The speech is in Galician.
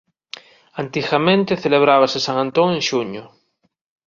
Antigamente celebrábase San Antón en xuño.